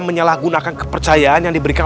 menyalahgunakan kepercayaan yang diberikan